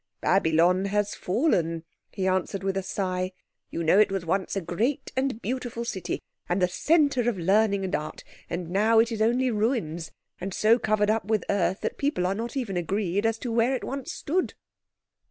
"Babylon has fallen," he answered with a sigh. "You know it was once a great and beautiful city, and the centre of learning and Art, and now it is only ruins, and so covered up with earth that people are not even agreed as to where it once stood."